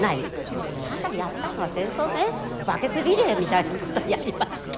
ただやったのは戦争でバケツリレーみたいなことはやりました。